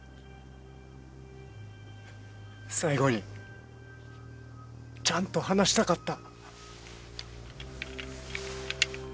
最後にちゃんと話したかった。